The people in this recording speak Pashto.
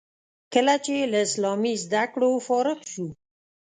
کله چې له اسلامي زده کړو فارغ شو.